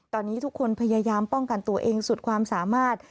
ตอนนี้ทุกคนพยายามป้องกันตัวเองสุดความสามารถ